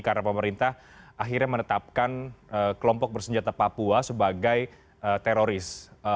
karena pemerintah akhirnya menetapkan kelompok bersenjata papua sebagai teroris